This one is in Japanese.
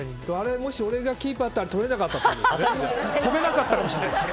もし俺がキーパーだったらとれなかったってことですね。